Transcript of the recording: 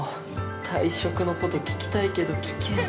退職のこと聞きたいけど聞けん。